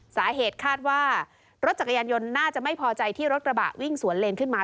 สาเหตุคาดว่ารถจักรยานยนต์น่าจะไม่พอใจที่รถกระบะวิ่งสวนเลนขึ้นมา